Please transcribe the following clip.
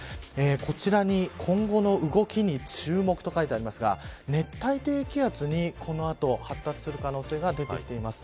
こちらに今後の動きに注目と書いていますが熱帯低気圧にこの後、発達する可能性が出てきています。